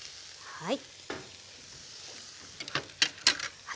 はい。